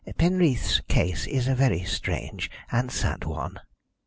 Penreath's case is a very strange and sad one."